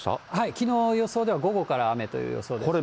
きのう予想では、午後から雨という予想でした。